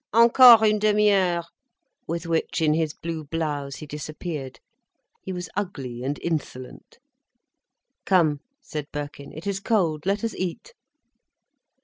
"Encore une demi heure." With which, in his blue blouse, he disappeared. He was ugly and insolent. "Come," said Birkin. "It is cold. Let us eat."